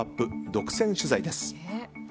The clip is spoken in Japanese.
独占取材です。